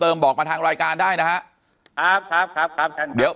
แต่คุณยายจะขอย้ายโรงเรียน